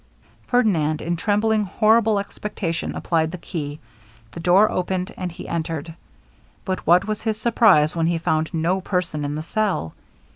Ferdinand, in trembling horrible expectation, applied the key; the door opened, and he entered; but what was his surprize when he found no person in the cell!